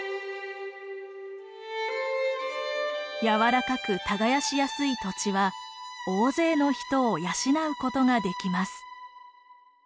やわらかく耕しやすい土地は大勢の人を養うことができます。